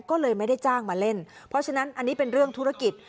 ก็เลยไม่ได้จ้างมาเล่นเพราะฉะนั้นอันนี้เป็นเรื่องธุรกิจ